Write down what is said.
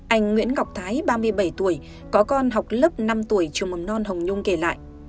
anh nguyễn ngọc thái ba mươi bảy tuổi có con học lớp năm tuổi trường mầm non hồng nhung kể lại